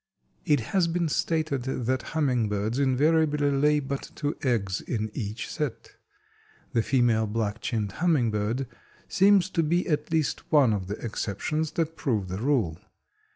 It has been stated that hummingbirds invariably lay but two eggs in each set. The female Black chinned Hummingbird seems to be at least one of the exceptions that prove the rule.